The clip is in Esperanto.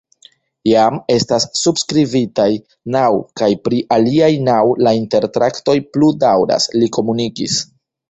Jam estas subskribitaj naŭ, kaj pri aliaj naŭ la intertraktoj plu daŭras, li komunikis.